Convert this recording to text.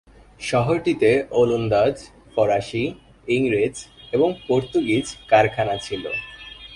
শহরটিতে ওলন্দাজ, ফরাসি, ইংরেজ এবং পর্তুগিজ কারখানা ছিল।